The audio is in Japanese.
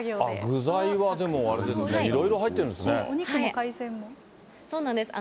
具材はでも、あれですね、いろいろ入ってるんですね。